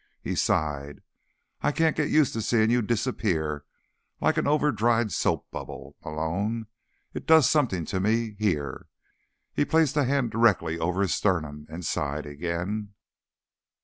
He sighed. "I can't get used to seeing you disappear like an overdried soap bubble, Malone. It does something to me, here." He placed a hand directly over his sternum and sighed again.